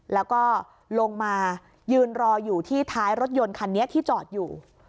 แล้วก็ลงมายืนรออยู่ที่ท้ายรถยนต์คันนี้ที่จอดอยู่